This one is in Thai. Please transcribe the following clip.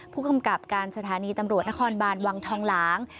ผู้กำกับการสถานีตำรวจนครบานวังทองหลาง